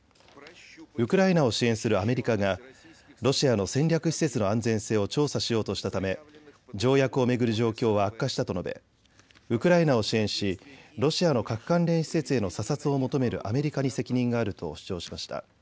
ウクライナを支援するアメリカがロシアの戦略施設の安全性を調査しようとしたため条約を巡る状況は悪化したと述べ、ウクライナを支援しロシアの核関連施設への査察を求めるアメリカに責任があると主張しました。